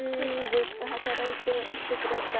ずっと働いてらしてください。